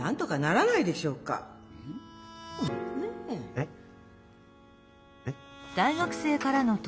えっ？えっ？